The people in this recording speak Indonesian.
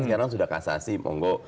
sekarang sudah kasasi monggo